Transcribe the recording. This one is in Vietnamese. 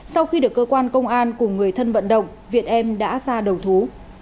sau khi được cơ quan công an cùng người thân vận động việt em đã ra đầu thú